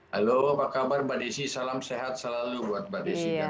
halo apa kabar mbak desi salam sehat selalu buat mbak desi